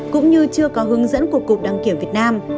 cũng như chưa có hướng dẫn của cục đăng kiểm việt nam